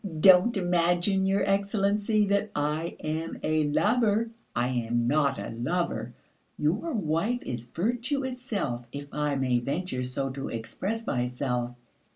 Don't imagine, your Excellency, that I am a lover! I am not a lover! Your wife is virtue itself, if I may venture so to express myself.